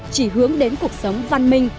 chỉ hướng đến cuộc sống văn minh